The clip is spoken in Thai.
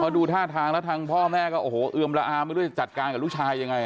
ดูท่าทางแล้วทางพ่อแม่ก็โอ้โหเอือมละอาไม่รู้จะจัดการกับลูกชายยังไง